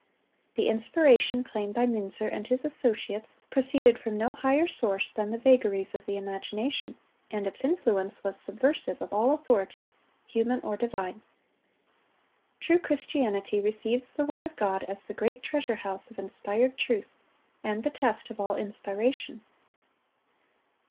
The inspiration claimed by Münzer and his associates proceeded from no higher source than the vagaries of the imagination, and its influence was subversive of all authority, human or divine. True Christianity receives the word of God as the great treasure house of inspired truth, and the test of all inspiration.